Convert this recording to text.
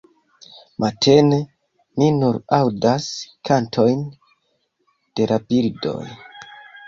Matene, mi nur aŭdas kantojn de la birdoj.